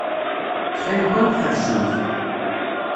Ttxil-kent, ḥebsemt.